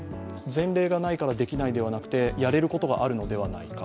前例がないからできないではなくて、やれることがあるのではないか。